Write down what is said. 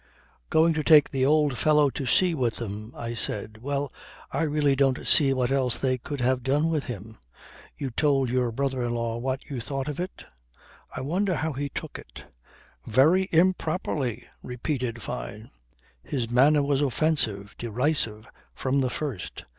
"Going to take the old fellow to sea with them," I said. "Well I really don't see what else they could have done with him. You told your brother in law what you thought of it? I wonder how he took it." "Very improperly," repeated Fyne. "His manner was offensive, derisive, from the first.